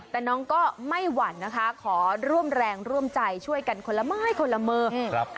แต่น้องก็ไม่หวั่นนะคะขอร่วมแรงร่วมใจช่วยกันคนละไม้คนละมือ